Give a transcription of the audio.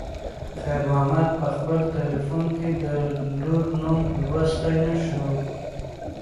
خیر محمد په خپل تلیفون کې د لور نوم لوستی نه شو.